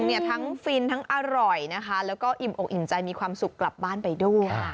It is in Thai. เนี่ยทั้งฟินทั้งอร่อยนะคะแล้วก็อิ่มอกอิ่มใจมีความสุขกลับบ้านไปด้วย